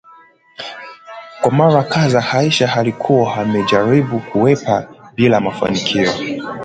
Kwa mara kadhaa, Aisha alikuwa amejaribu kuhepa bila mafanikio